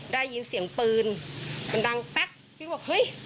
ได้ยินเสียงปืนมันดังแป๊กพี่ก็บอกเฮ้ย